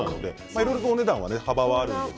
いろいろお値段の幅はあります。